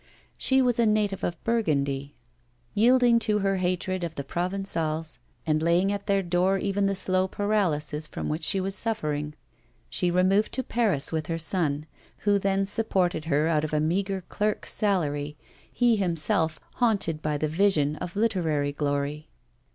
She was a native of Burgundy. Yielding to her hatred of the Provençals, and laying at their door even the slow paralysis from which she was suffering, she removed to Paris with her son, who then supported her out of a meagre clerk's salary, he himself haunted by the vision of literary glory.